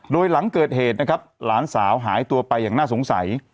โดยหลังเกิดเหตุนะครับหลานสาวหายตัวไปอย่างน่าสงสัย